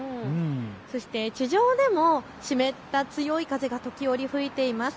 そして地上でも湿った強い風が時折、吹いています。